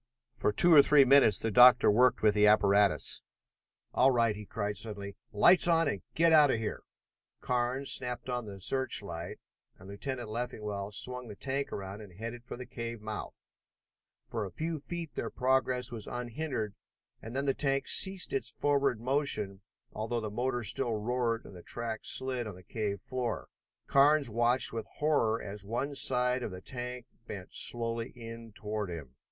For two or three minutes the doctor worked with his apparatus. "All right!" he cried suddenly. "Lights on and get out of here!" Carnes snapped on the search light and Lieutenant Leffingwell swung the tank around and headed for the cave mouth. For a few feet their progress was unhindered and then the tank ceased its forward motion, although the motor still roared and the track slid on the cave floor. Carnes watched with horror as one side of the tank bent slowly in toward him.